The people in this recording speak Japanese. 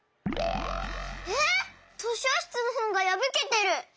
えっ！？としょしつのほんがやぶけてる！